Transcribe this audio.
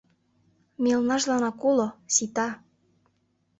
Мелнажланак уло — сита...